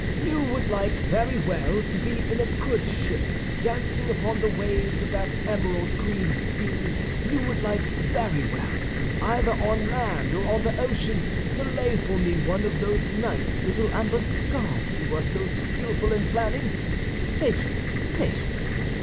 You would like very well to be in a good ship dancing upon the waves of that emerald green sea; you would like very well, either on land or on the ocean, to lay for me one of those nice little ambuscades you are so skillful in planning. Patience, patience!